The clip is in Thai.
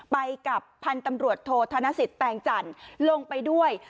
ไปกับพันธุ์ตำรวจโทษธนสิทธิแตงจันทร์ลงไปด้วย